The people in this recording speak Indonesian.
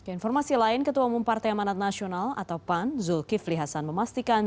informasi lain ketua umum partai amanat nasional atau pan zulkifli hasan memastikan